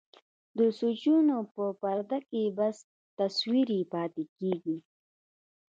د سوچونو په پرده کې بس تصوير يې پاتې کيږي.